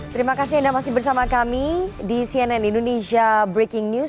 terima kasih anda masih bersama kami di cnn indonesia breaking news